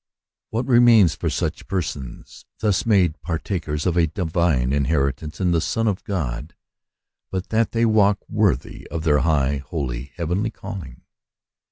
What remains for such persons, thus made par takers of a divine inheritance in the Son of God, but that they walk worthy of their high, holy, heavenly calling?